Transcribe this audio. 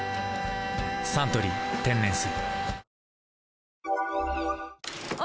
「サントリー天然水」